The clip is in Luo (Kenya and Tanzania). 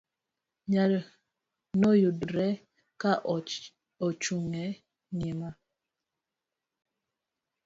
Noyudre ka Ochung' e nyima.